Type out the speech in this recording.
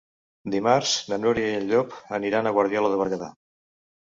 Dimarts na Núria i en Llop aniran a Guardiola de Berguedà.